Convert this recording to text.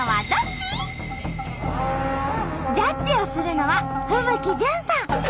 ジャッジをするのは風吹ジュンさん。